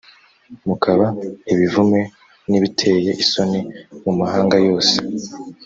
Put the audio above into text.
mukaba ibivume n ibiteye isoni mu mahanga yose